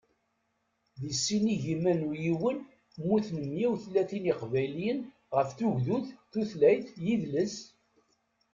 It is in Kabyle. Di sin igiman u yiwen mmuten meyya u tlatin iqbayliyen ɣef tugdut, tutlayt, yidles...